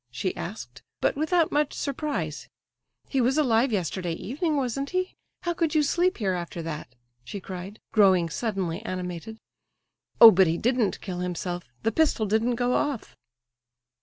she asked, but without much surprise. "He was alive yesterday evening, wasn't he? How could you sleep here after that?" she cried, growing suddenly animated. "Oh, but he didn't kill himself; the pistol didn't go off."